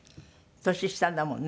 年下だもんね